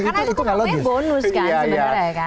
karena itu kebanyakan bonus kan sebenarnya